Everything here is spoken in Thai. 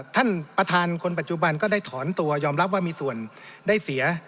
ท่านประธานคนปัจจุบันก็ได้ถอนตัวยอมรับว่ามีส่วนได้เสีย